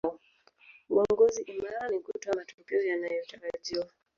uongozi imara ni kutoa matokeo yanayotarajiwa